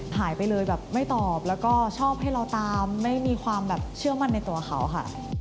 หายไปเลยแบบไม่ตอบแล้วก็ชอบให้เราตามไม่มีความแบบเชื่อมั่นในตัวเขาค่ะ